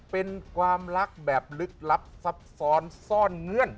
เป็นความรักแบบลึกลับซับซ้อนซ่อนเงื่อน